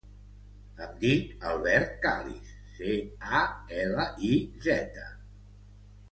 Em dic Alberto Caliz: ce, a, ela, i, zeta.